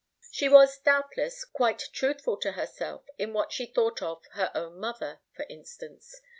She was, doubtless, quite truthful to herself in what she thought of her own mother, for instance.